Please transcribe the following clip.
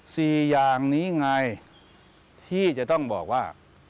สี่อย่างนี้ไงที่จะต้องบอกว่า